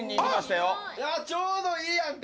ちょうどいいやんか！